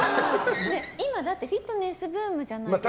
今、フィットネスブームじゃないですか。